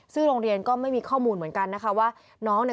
ซึ่งโรงเรียนก็ไม่มีข้อมูลเหมือนกันนะคะว่า